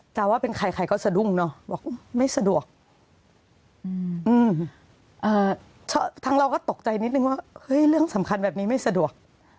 แต่ว่าเป็นใครใครก็สะดุ้งเนอะบอกไม่สะดวกทั้งเราก็ตกใจนิดนึงว่าเฮ้ยเรื่องสำคัญแบบนี้ไม่สะดวก